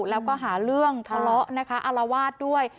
แล้วก็หาเรื่องทะเลาะนะคะอารวาสด้วย